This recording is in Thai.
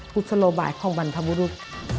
ุศโลบายของบรรพบุรุษ